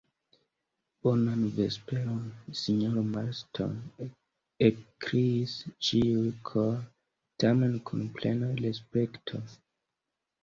Bonan vesperon, sinjoro Marston, ekkriis ĉiuj kore, tamen kun plena respekto.